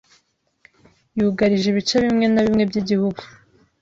yugarije ibice bimwe na bimwe by’igihugu,